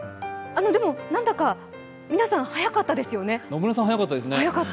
何だか皆さん早かったですよね。